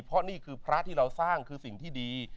เพราะนี่คือพระที่เราสร้างคือสิ่งที่ดี